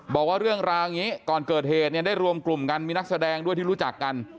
บอกว่าเรื่องราวอย่างนี้ก่อนเกิดเหตุเนี่ยได้รวมกลุ่มกันมีนักแสดงด้วยที่รู้จักกัน